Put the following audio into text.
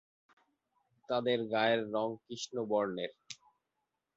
তাদের গায়ের রং কৃষ্ণ বর্ণের।